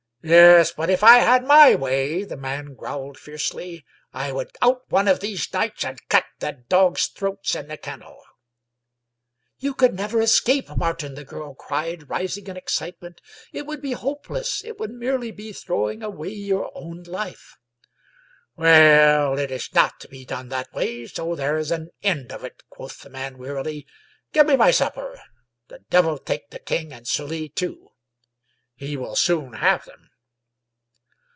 " Yes ; but if I had my way," the man growled fiercely, " I would out one of these nights and cut the dogs' throats in the kennel 1 "" You could never escape, Martin !" the girl cried, rising in excitement. It would be hopeless. It would merely be throwing away your own life." " Well, it is not to be done that way, so there is an end of it," quoth the man wearily. " Give me my supper. The devil take the king and Sully tool He will soon have them."